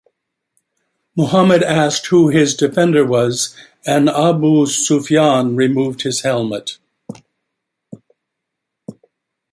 Muhammad asked who his defender was, and Abu Sufyan removed his helmet.